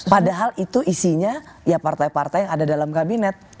padahal itu isinya ya partai partai yang ada dalam kabinet